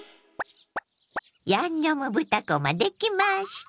「ヤンニョム豚こま」できました。